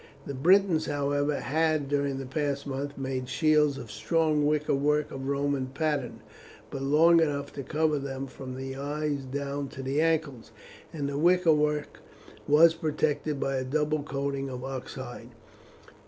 The Britons, however, had during the past month made shields of strong wicker work of Roman pattern, but long enough to cover them from the eyes down to the ankles, and the wicker work was protected by a double coating of ox hide.